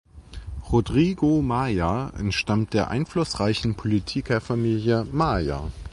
Rodrigo Maia entstammt der einflussreichen Politikerfamilie Maia.